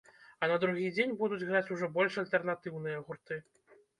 А на другі дзень будуць граць ужо больш альтэрнатыўныя гурты.